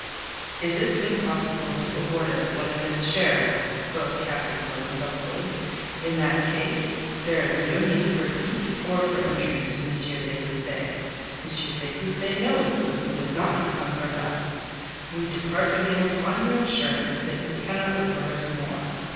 "Is it impossible to award us the one fifth share?" quoth Captain Blood silkily. "In that case, there is no need for beat or for injuries to M. de Cussy. M. de Cussy knows that we would not have come for less. We depart again upon your assurance that you cannot award us more.